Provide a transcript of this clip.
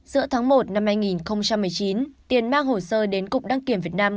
giữa tháng một năm hai nghìn một mươi chín tiền mang hồ sơ đến cục đăng kiểm việt nam